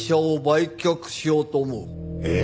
えっ！？